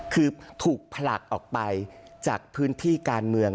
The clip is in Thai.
คือถูกผลักออกไปจากพื้นที่การเมือง